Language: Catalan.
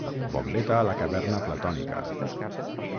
Bombeta a la caverna platònica.